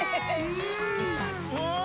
うん！